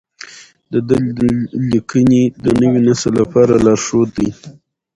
د ده لیکنې د نوي نسل لپاره لارښود دي.